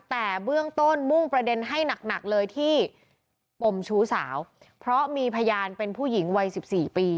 แต่เบื้องต้นมุ่งประเด็นให้หนักหนักเลยที่ปมชู้สาวเพราะมีพยานเป็นผู้หญิงวัย๑๔ปี